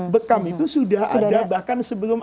bekam itu sudah ada bahkan sebelum